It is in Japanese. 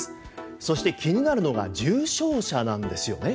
そして、気になるのが重症者なんですよね。